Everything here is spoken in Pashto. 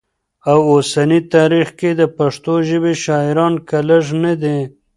او اوسني تاریخ کي د پښتو ژبې شاعران که لږ نه دي